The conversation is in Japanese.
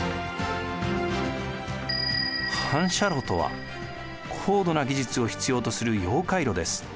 反射炉とは高度な技術を必要とする溶解炉です。